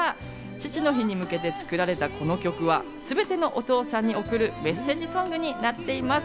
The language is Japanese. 父の日に向けて作られたこの曲は、すべてのお父さんに送るメッセージソングになっています。